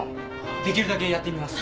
出来るだけやってみます。